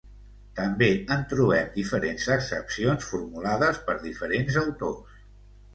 També en trobem diferents accepcions formulades per diferents autors.